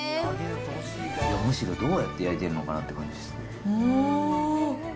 むしろどうやって焼いてるのかなって感じですよ。